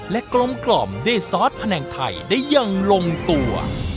และกลมได้ซอสแผนงไทยได้ยังลงตัว